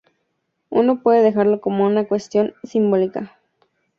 Uno puede dejarlo como una cuestión simbólica.